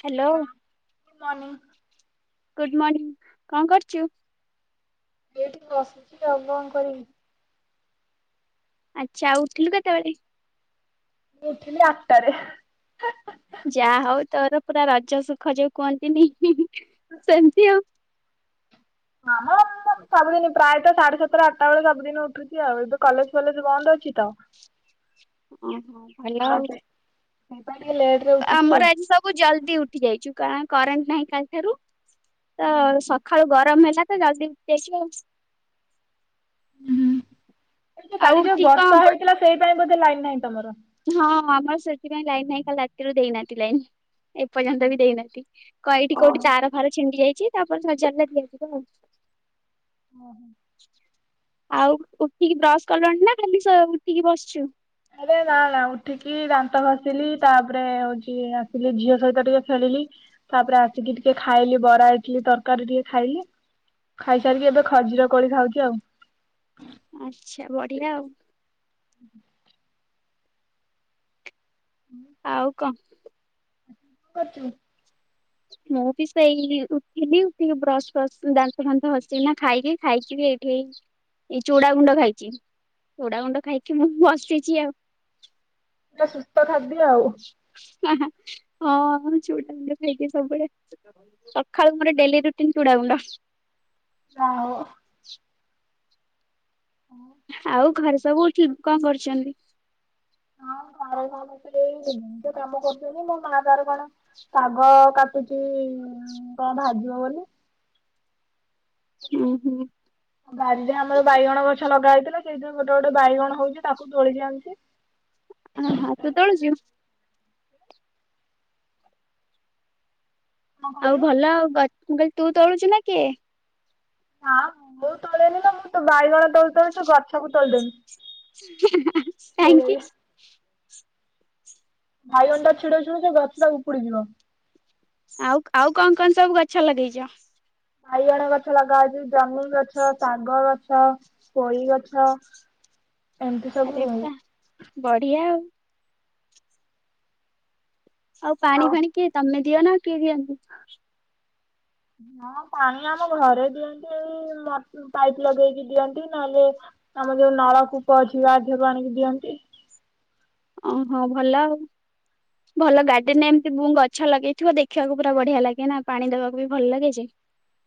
Hello good morning good morning ଙ୍କ କରୁଚୁ? ଏଇଟି ବସଚି ଆଉ କଣ କରିବି। ଆଚ୍ଛା ଆଉ ଉଠିଲୁ କେତେବେଳେ? ମୁଁ ଉଠିଲି ଆଟ୍ ଟାରେ। ଯା ହଉ ତୋର ପୁରା ରଜ ସୁଖ ଯୋଉ କୁହନ୍ତିନି ସେମତି ଆଉ। ସବୁଦିନି ପ୍ରାୟତ ସାଢେ଼ ସାତଟା ଆଠଟା ବେଳେ ସବୁଦିନ ଉଠୁଛି ଆଉ ଏବେ କଲେଜ ଫଲେଜ ବନ୍ଦ ଅଛି ତ। ଓହ ଭଲ ଆଉ। ସେଥିପାଇଁ ଟିକେ ଲେଟ୍ ଆମର ଆଜି ସବୁ ଜଲଦି ଉଠି ଯାଇଚୁ। କାରଣ କରେଣ୍ଟ ନାହିଁ କାଲଠାରୁ ତ ସ ଖାଳୁ ଗରମ ହେଲା ତ ଜଲଦି ଉଠିଯାଇଛୁ ଆଉ। ହୁଁ ହେଟି ଜଉ ଆଉ କାଲି ଯୋଉ ଉଠିକି କଣ ବର୍ଷା ହେଇଥିଲା ସେଇଥିପାଇଁ ବୋଧେ ଲାଇନ୍ ନାହିଁ ତମର। ହଁ ଆମର ସେଥିପାଇଁ ଲାଇନ ନାହିଁ କାଲି ରାତିରୁ ଦେଇନାହାନ୍ତି ଲାଇନ। ଏ ପର୍ଯ୍ୟନ୍ତ ବି ଦେଇନାହାନ୍ତି କ ଏଇଠି କୋଉଠି ତାର ଫାର ଛିଣ୍ଡି ଯାଇଛି ତାପରେ ସଜାଡିଲେ ଦିଆଯିବ ଆଉ। ଓ। ଆଉ ଉଠିକି ବ୍ରଶ କଲଣି ନା ସ ଖାଲି ଉଠିକି ବସଚୁ। ଆରେ ନା ନା ଉଠିକି ଦାନ୍ତ ଘ ଆସିଲି ତାପରେ ହଉଛି ଆସିଲି ଝିଅ ସହିତ ଟିକେ ଖେଳିଲି। ତାପରେ ଆସିକି ଟିକେ ଖାଇଲି ବରା ଇଟଲିି ତରକାରୀ ଟିକେ ଖାଇଲି। ଖାଇସାରିକି ଏବେ ଖଜିର କୋଳି ଖାଉଚି ଆଉ। ଆଚ୍ଛା ବଢିଆ ଆଉ। ଆଉ କ [unintelligible] ମୁଁ ବି ସେଇ ଉଠିଲି ଉଠିକି ବ୍ରସ ଫ୍ରସ ଦାନ୍ତ ଫାନ୍ତ ଘସିକିନା ଖାଇକି ଖାଇକି ଏଇ ଏଇ ଚୁଡ଼ାଗୁଣ୍ଡ ଖାଇଚି ଚୁଡାଗୁଣ୍ଡ ଖାଇକି ମୁଁ ବସିଚି ଆଉ। ପୁରା ସୁସ୍ଥ ଖାଦ୍ୟ ଆଉ। ହା ହା ହଁ ଚୁଡ଼ାଗୁଣ୍ଡ ଖାଇକି ସବୁବେଳେ ସକାଳୁ ମୋର ଡେଲି ରୁଟିନ ଚୁଡାଗୁଣ୍ଡ। ଆଉ ଆଉ ଘରେ ସବୁ ଉଠିକି କଣ କରୁଚନ୍ତି? ହଁ ଘର ସେ ତ କାମ କରୁଚନ୍ତିି ମୋ ମା ତାର କଣ ଶାଗ କାଟୁଚି କଣ ଭାଜିବ ବୋଲି। ହୁଁ ହୁଁ। ବାଡିରେ ଆମର ବାଇଗଣ ଗଛ ଲଗା ହେଇଥିଲା ସେଇଥିରୁ ଗୋଟେ ଗୋଟେ ବାଇଗଣ ହଉଚି ତାକୁ ତୋଳିକି ଆଣୁଚି। [unintelligible] କଣ ଆଉ କହିଲୁ? ଭଲ ଆଉ ଗ ମୁ କହିଲି ତୁ ତୋଳୁଚୁ ନା କିଏ? ନାଁ ମୁଁ ତୋଳେନି ଲୋ ମୁଁ ତ ବାଇଗଣ ତୋଳୁ ତୋଳୁ ସେ ଗଛକୁ ତୋଳିଦେମି। କାହିଁକି? ବାଇଗଣଟା ଛିଡଉ ଛିଡ଼ଉ ସେ ଗଛଟା ଉପୁଡିଯିବ। ଆଉ ଆଉ କଣ କଣ ସବୁ ଗଛ ଲଗେଇଚ? ବାଇଗଣ ଗଛ ଲଗାହଉଚି ଜନହି ଗଛ ଶାଗ ଗଛ କୋଳି ଗଛ ଏମିତି ଆରେ ସବୁ ବା ବଢିଆ ଆଉ ଆଉ ପାଣି ଫାଣି କିଏ ତମେ ଦିଅ ନାଉ କିଏ ଦିଅନ୍ତିୁ? ହଁ ପାଣି ଆମ ଘରେ ଦିଅନ୍ତି ଏଇ ମ ପାଇପ୍ ଲଗେଇକି ଦିଅନ୍ତି ନହେଲେ ଆମ ଯୋଉ ନଳକୂପ ଅଛି ବାଧିଅରୁ ଆଣିକି ଦିଅନ୍ତି। ଓହୋ ଭଲ ଆଉ। ଭଲ ଗାର୍ଡେନ ରେ ଏମିତି ବୁ ଗଛ ଲଗେଇଥିବ ଦେଖିବାକୁ ପୁରା ବଢିଆ ଲାଗେ ନା ପାଣି ଦେବାକୁ ବି ଭଲ ଲାଗେ ଯେ।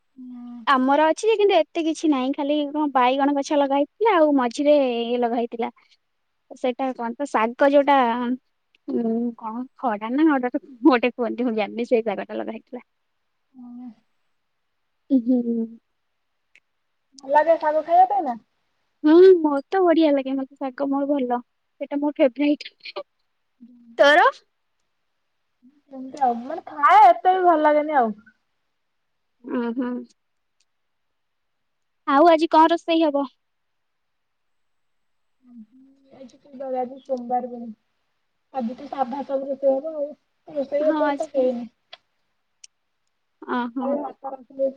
ହୁଁ, ଆମର ଅଛି ଯେ କିନ୍ତୁ ଏତେ କିଛି ନାହିଁ ଖାଲି କଣ ବାଇଗଣ ଗଛ ଲଗା ହେଇଥିଲା ଆଉ ମଝିରେ ଇଏ ଲଗାହେଇ ଥିଲା। ସେଇଟା କଣ ତ ଶାଗ ଯୋଉଟା ଉୁଁ କଣ ଖଡା ନା [unintelligible] ଗୋଟେ କୁହନ୍ତି ମୁଁ ଜାଣିନି ସେଇ ଶାଗ ଟା ଲଗା ହେଇଥିଲା। ହୁଁ। ଉଁ ହୁଁ। ଭଲ ଲାଗେ ସାଗ ଖାଇବା ପାଇଁ ନା? ହୁଁ ମତେ ବଢିଆ ଲାଗେ ମୋତେ ଶାଗ ମୋର ଭଲ ସେଇଟା ମୋର ଫେବରାଇଟ। ତୋର? ସେମତି ଆଉ ମାନେ ଖାଏ ଏତେ ବି ଭଲ ଲାଗେନି ଆଉ। ଉଁ ହୁଁ। ଆଉ ଆଜି କଣ ରୋଷେଇ ହବ? ହିଁ ଦ ଆଜି କି ବାରେ ଆଜି ସୋମବାର ଆଜି ତ ସାବୁ ଫାବୁ ରୋଷେଇ ହବ ଆଉ। ରୋଷେଇ ହଁ ଆଜି ଓହୋ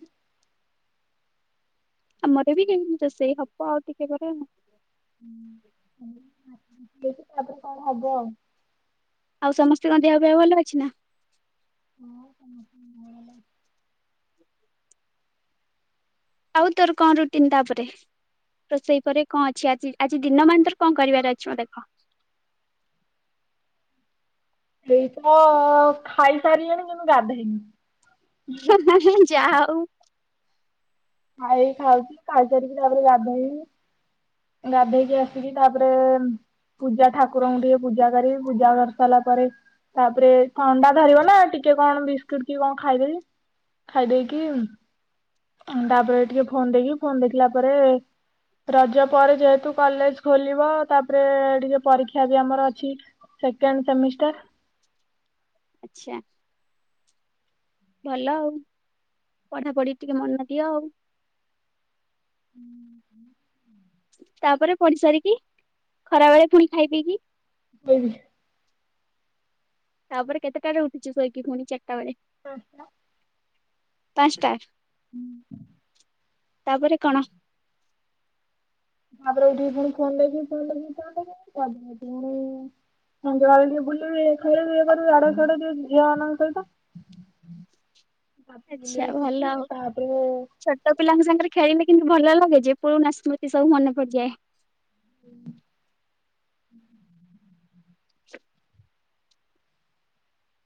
[unintelligible] ଆମର ବି [unintelligible] ରୋଷେଇ ହବ ଆଉ ଟିକେ ପରେ ତାପରେ କଣ ହବ ଆଉ ଆଉ ସମସ୍ତଙ୍କ ଦେହପେହ ଭଲ ଅଛି ନା? [unintelligible] ଆଉ ତୋର କଣ ରୁଟିନ୍ ତାପରେ? ରୋଷେଇ ପରେ କଣ ଅଛି ଆଜି ଆଜି ଦିନ ମାନ ତୋର କଣ କରିବାର ଅଛି ମୋତେ କହ। ଏଇତ ଖାଇସାରିଲିଣିି କିନ୍ତୁ ଗାଧୋଇନି। ଯା ହୋଉ। ଖାଇ ଖାଉଚି ଖାଇସାରିକି ତାପରେ ଗାଧେଇମି। ଗାଧେଇକି ଆସିକି ତାପରେ ପୂଜା ଠାକୁରଙ୍କୁ ଟିକେ ପୂଜା କରିିବି ପୂଜା କରିସାରିଲା ପରେ ତାପରେ ଥଣ୍ଡା ଧରିବ ନା ଟିକେ କଣ ବିସ୍କୁଟ କି କଣ ଖାଇଦେବି। ଖାଇଦେଇକି ତାପରେ ଟିକେ ଫୋନ ଦେଇକି ଫୋନ ଦେଖିଲା ପରେ ରଜ ପରେ ଯେହେତୁ କଲେଜ ଖୋଲିବ ତାପରେ ଟିକେ ପରୀକ୍ଷା ବି ଆମର ଅଛି। Second semester. ଆଚ୍ଛା। ଭଲ ଆଉ ପଢାପଢି ଟିକେ ମନ ଦିଅ ଆଉ। ହୁଁ। ତାପରେ ପଢି ସାରିକି ଖରା ବେଳେ ପୁଣି ଖାଇ ପିଇକି [unintelligible] ତାପରେ କେତେଟାରେ ଉଠିଛି ଶୋଇକି ଖୁଣି ଚାରଟା ବେଳେ? [unintelligible] ପାଞ୍ଚଟା ତାପରେ କଣ? ତାପରେ ଉଠିକି ପୁଣି ଫୋନ ଦେଖି ଫୋନ ଦେଖି ପୁଣି ସନ୍ଧ୍ଯା ବେଳେ ଟିକେ ବୁଲିବୁ ଖେଳିବୁ ଇଏ କରିବୁ ଇଆଡ଼େ ସିଆେଡ ଟିକେ ଝିଅ ମାନଙ୍କ ସହିତ [unintelligible] ଆଚ୍ଛା ଭଲ ଆଉ ଆସଛି ତାପରେ ଛୋଟ ପିଲାଙ୍କ ସାଙ୍ଗରେ ଖେଳିଲେ କିନ୍ତୁ ଭଲ ଲାଗେ ଯେ ପୁରୁଣା ସ୍ମୃତି ସବୁ ମନେ ପଡିଯାଏ। ହୁଁ [inaudible]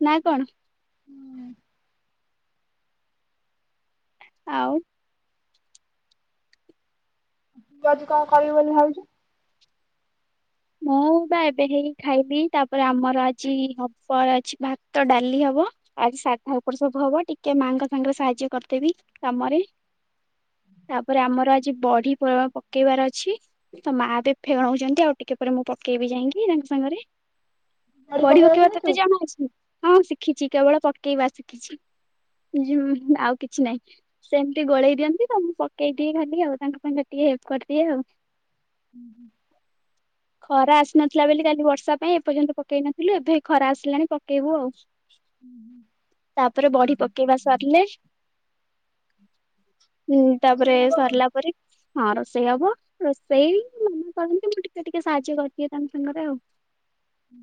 ନା କଣ? ହୁଁ। ଆଉ ତୁ ଆଜି କଣ କରିବୁ ବୋଲି ଭାବିଛୁ? ମୁଁ ବା ଏବେ ହେଇ ଖାଇବି ତାପରେ ଆମର ଆଜି ହବ ଅଛି ଭାତ ଡାଲି ହବ ଆଜି ସାଧା ଉପର ସବୁ ହବ ଟିକେ ମାଙ୍କ ସାଙ୍ଗରେ ସାହାଯ୍ୟ କରିଦେବି କାମରେ। ତାପରେ ଆମର ଆଜି ବଢି ପକେଇବାର ଅଛି ତ ମା ଦେବ ଫେଣଉ ଛନ୍ତି ଆଉ ଟିକେ ପରେ ମୁଁ ପକେଇବି ଯାଇକି ତାଙ୍କ ସାଙ୍ଗରେ। ଝାଡୁ ବଢ଼ୀ ପକେଇ ଆସି ପକେଇବା ତତେ ନଥିବୁ ଜଣା ଅଛି? ହଁ ଶିଖିଛି କେବଳ ପକେଇବା ଶିଖିଛି ଆଉ କିଛି ନାହିଁ। ସେମିତି ଗୋଳେଇ ଦିଅନ୍ତି ତ ମୁଁ ପକେଇ ଦିଏ ଖାଲି ଆଉ ତାଙ୍କ ପାଇଁ ତ ଟିକେ ହେଲ୍ପ କରିଦିଏ ଆଉ। ହୁଁ ହୁଁ। ଖରା ଆସିନଥିଲା ବୋଲି କାଲି ବର୍ଷା ପାଇଁ ଏପର୍ଯ୍ୟନ୍ତ ପକେଇ ନଥିଲୁ ଏବେ ଖରା ଆସିଲାଣି ପକେଇବୁ ଆଉ। ହୁଁ ହୁଁ। ତାପରେ ବଢି ପକେଇବା ସରିଲେ ହୁଁ ତାପରେ ରୋଷେଇ ହବ ଆଉ ସରିଲା ପରେ ହଁ ରୋଷେଇ ହବ ରୋଷେଇ ମାମା କରନ୍ତି ମୁଁ ଟିକେ ସେ ଟିକେ ସାହାଯ୍ୟ କରିଦିଏ ତାଙ୍କ ସାଙ୍ଗରେ ଆଉ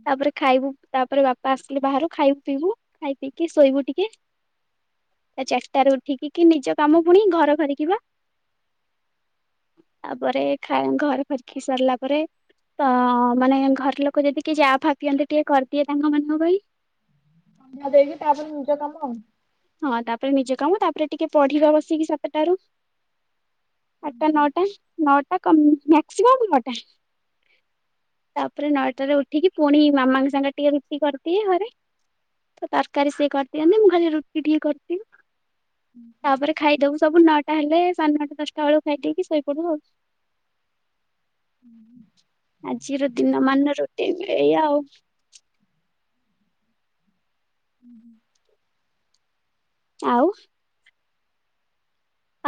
ତାପରେ ଖାଇବୁ। ତାପରେ ବାପା ଆସିଲେ ବାହାରୁ ଖାଇବୁ ପିଇବୁ ଖାଇ ପିଇକି ଶୋଇବୁ ଟିକେ। ଚାରିଟାରେ ଉଠିକି କି ନିଜ କାମ ପୁଣି ଘର ଖରିକି ବା ତାପରେ ଖା ଘର ଖରିକି ସରିଲା ପରେ ତ ମାନେ ଘର ଲୋକ ଯଦି କିଏ ଚାହା ଫା ପିଅନ୍ତି ଟିକେ କରିଦିଏ ତାଙ୍କ ମାନଙ୍କ ପାଇଁ ଚା ଦେଇକି ତାପରେ ନିଜ କାମ ଆଉ। ହଁ ତାପରେ ନିଜେ କାମ ତାପରେ ଟିକେ ପଢିବା ବସିକି ସାତଟାରୁ। ଆଠଟା ନଅଟା ନଅଟା କମ ମାକ୍ସିମମ ନଅଟା। ତାପରେ ନଅଟାରେ ଉଠିକି ପୁଣି ମାମାଙ୍କ ସାଙ୍ଗରେ ଟିକେ ରୁଟି କରିଦିଏ ଘରେ ତ ତରକାରୀ ସିଏ କରିଦିଅନ୍ତି ମୁଁ ଘରେ ରୁଟି ଟିକେ କରିଦିଏ। ତାପରେ ଖାଇଦବୁ ସବୁ ନଅଟା ହେଲେ ସାଢ଼େ ନଅଟା ଦଶଟା ବେଳକୁ ଖାଇଦେଇକି ଶୋଇପଡୁ ଆଉ। ହୁଁ ହୁ ଆଜିର ଦିନ ମାନ ରୁଟିନ ଏଇଆ ଆଉ। ହୁଁ। ଆଉ।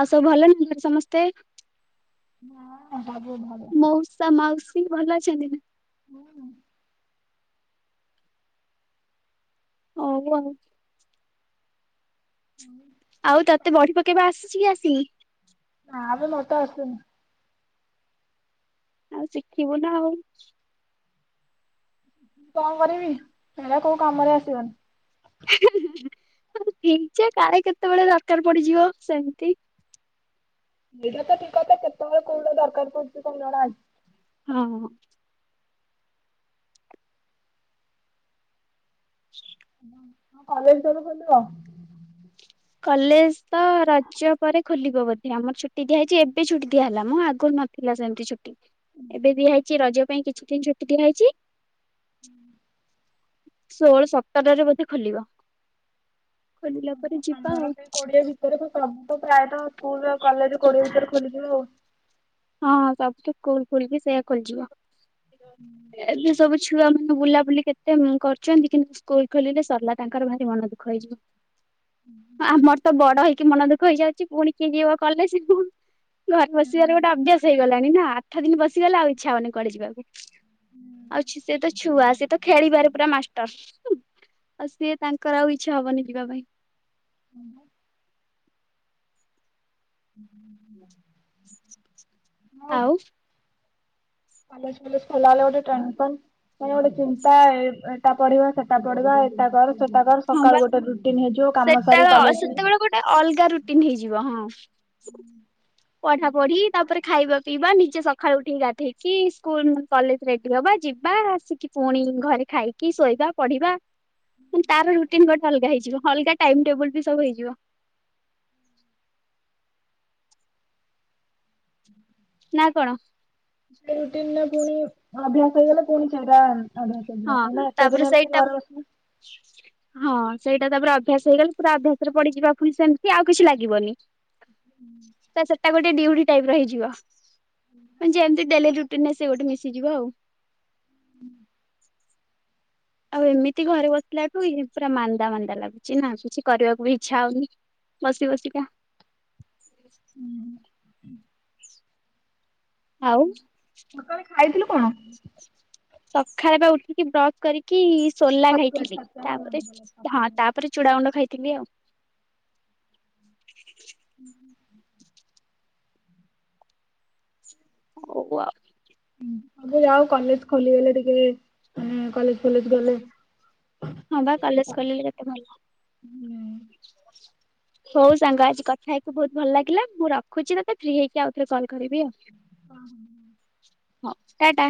ଆଉ ସବୁ ଭଲ ନା ସମସ୍ତେ? ହଁ ସବୁ ଭଲ। ମଉଷା ମାଉସୀ ଭଲ ଅଛନ୍ତି ନା? ହୁଁ। ହଉ ଆଉ। ହଁ ଆଉ ତତେ ବଢି ପକେଇବା ଆସିଛି କି ଆସିନି? ନାଆବେ ମତେ ଆସେନି। ଆଉ ଶିଖିବୁ ନା ଆଉ କଣ କରିବି ହେରା କୋଉ କାମରେ ଆସିବନି। ହି-ହି ଶିଖିଯା କାଳେ କେତେବେଳେ ଦରକାର ପଡିଯିବ ସେମିତି ଏଇଟା ତ ଠିକ କଥା କେତେବେଳେ କୋଉଟା ଦରକାର ପଡୁଛି କଣ ଜଣା ଅଛି। ହଁ ହଁ [inaudible] ଆଉ କଲେଜ କେବେ ଖୋଲିବ? କଲେଜ ତ ରଜ ପରେ ଖୋଲିବ ବଧେ ଆମର ଛୁଟି ଦିଆହେଇଛି ଏବେ ଛୁଟି ଦିଆ ହେଲା ମ ଆଗରୁ ନ ଥିଲା ସେମିତି ଛୁଟି ଏବେ ଦିଆ ହେଇଛି ରଜ ପାଇଁ କିଛି ଦିନ ଛୁଟି ଦିଆହେଇଛି। ଷୋହଳ ସତରରେ ବୋଧେ ଖୋଲିବ ଖୋଲିଲା ପରେ ଯି ଆମର ସେ କୋଡିଏ ଭିତରେ ତ ସବୁ ପ୍ରାୟତ ସ୍କୁଲ ଆଉ କଲେଜ କୋଡିଏ ଭିତରେ ଖୋଲିଯିବ ଆଉ। ହଁଁ ହ ସବୁଠୁ ସ୍କୁଲ ଫୁଲ୍ ବି ସେଇୟା ଖୋଲିଯିବ ଏବେ ସବୁ ଛୁଆ ବୁଲାବୁଲି କେତେ କରୁଛନ୍ତି କିନ୍ତୁ ସ୍କୁଲ ଖୋଲିଲେ ସରିଲା ତାଙ୍କର ଭାରି ମନ ଦୁଃଖ ହେଇଯିବ। ହଁ ଆମର ତ ବଡ ହେଇକି ମନ ଦୁଃଖ ହେଇଯାଉଛି ପୁଣି କିଏ ଯିବ କଲେଜ୍ କୁ। ଘରେ ବସିବାର ଗୋଟେ ଅଭ୍ୟାସ ହେଇଗଲାଣି ନା ଆଠ ଦିନ ବସିଗଲେ ଆଉ ଇଚ୍ଛା ହବନି କୁଆଡ଼େ ଯିବାକୁ। ଅଉଛି ସେ ତ ଛୁଆ ସିଏ ତ ଖେଳିବାରେ ପୁରା ମାଷ୍ଟର। ହୁ ଆଉ ସିଏ ତାଙ୍କର ଆଉ ଇଚ୍ଛା ହବନି ଯିବା ପାଇଁ। ହୁ ହୁଁ? [unintelligible] [inaudible] ଆଉ? ପାଲସ ପଲସ ଫଲା ଆଲା ଗୋଟେ ଟ୍ରା ପନ୍ [unintelligible] ନ ୟ ଗୋଟେ ଚିନ୍ତା ଏଟା ପଢିବ ସେଟା ପଢିବା ଏଟା କର ସେଟା କର ହଁ ବା ସକାଳୁ ଗୋଟେ ରୁଟିନ ହେଇଯିବ କାମ ସାରି କଲେଜ ଜୀବୁ। ନାଇ ଅଲଗା ରୁଟିନ୍ ହେଇଯିବ ହଁ? ପଢା ପଢି ତାପରେ ଖାଇବା ପିଇବା ନିଜେ ସକାଳୁ ଉଠିକି ଗାଧେଇକି ସ୍କୁଲ କଲେଜ ରେଡି ହବା ଯିବା ଆସିକି ପୁଣି ଘରେ ଖାଇକି ଶୋଇବା ପଢିବା ତାର ରୁଟିନ୍ ଗୋଟେ ଅଲଗା ହେଇଯିବ ଅଲଗା ଟାଇମ ଟେବଲ୍ ବି ସବୁ ହେଇଯିବ। ନା କଣ? ସେ ରୁଟିନ୍ ଟା ପୁଣି ଅଭ୍ୟାସ ହେଇଗଲା ପୁଣି ସେଟା ଅଭ୍ୟାସ ହେଇଯିବ ହଁ ଏଇନା ଏତେ ତାପରେ ଦିନ ଏମିତି ସେଇଟା ଘରେ ବସିବୁ। [inaudible] ହଁ ସେଇଟା ତାପରେ ଅଭ୍ୟାସ ହେଇଗଲା ପୁରା ଅଭ୍ୟାସ ରେ ପଡିଯିବା ଫୁଣି ସେମିତି ଆଉ କିଛି ଲାଗିବନି। ତ ସେଟା ଗୋଟେ ଡିଉଡି ଟାଇପ ର ହେଇଯିବ। ମାନେ ଯେମିତି ଡେଲି ରୁଟିନି ଆସେ ଗୋଟେ ମିଶିଯିବ ଆଉ। ହୁଁ? ଆଉ ଏମିତି ଘରେ ବସିଲାଠୁ ଇଏ ପୁରା ମାନ୍ଦା ମାନ୍ଦା ଲାଗୁଛି ନା କିଛି କରିବାକୁ ବି ଇଚ୍ଛା ହଉନି। ବସି ବସିିକା ଆଉ ସକାଳେ ଖାଇଥିଲୁ କଣ? ସଖାଳେ ବା ଉଠିକି ବ୍ରସ୍ କରିକି ସୋଲା ଛତୁଆ ଖାଇଥିଲି ଛତୁଆ ହଁ ମନେ ତାପରେ ପଇଲା ହଁ ଛତୁଆ ତାପରେ ଚୁଡ଼ା ଗୁଣ୍ଡ ଖାଇଥିଲି ଆଉ। ଉ -ହୁ ଓ ଆଉ। ସବୁ ଯାଉ କଲେଜ ଖୋଲିଗଲେ ଟିକେମାନେ କଲେଜ ଫଲେଜ ଗଲେ ହଁ ବା କଲେଜ ଖୋଲିଲେ କେତେ ଭଲ। ହୁଁ। ହଉ ସାଙ୍ଗ ଆଜି କଥା ହେଇକି ବହୁତ ଭଲ ଲାଗିଲା ମୁଁ ରଖୁଛି ତତେ ଫ୍ରି ହେଇକି ଆଉଥରେ କଲ କରିବି ଆଉ। ହ ହ? ହଁ ଟା ଟା।